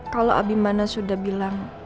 kalau abimana sudah bilang